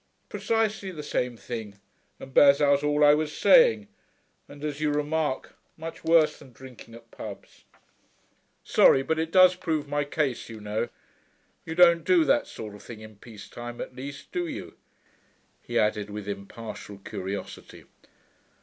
'Precisely the same thing, and bears out all I was saying. And, as you remark, much worse than drinking at pubs.... Sorry, but it does prove my case, you know. You don't do that sort of thing in peace time, at least, do you?' he added with impartial curiosity.